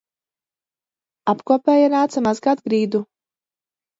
Apkopēja nāca mazgāt grīdu